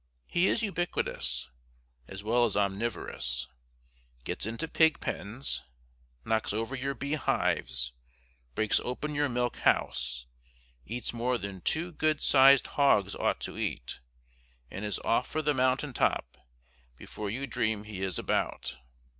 He is ubiquitous, as well as omniverous; gets into pig pens, knocks over your beehives, breaks open your milk house, eats more than two good sized hogs ought to eat, and is off for the mountain top before you dream he is about.